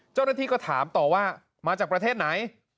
เจ้าหน้าที่ก็ถามต่อว่ามาจากประเทศไหน